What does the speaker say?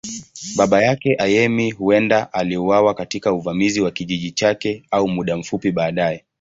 Baba yake, Ayemi, huenda aliuawa katika uvamizi wa kijiji chake au muda mfupi baadaye.